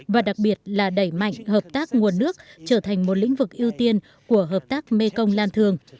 và đặc biệt là đẩy mạnh hợp tác nguồn nước trở thành một lĩnh vực ưu tiên của hợp tác mekong lan thương